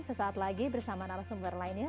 sesaat lagi bersama narasumber lainnya